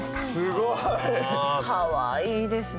すごい！かわいいですね。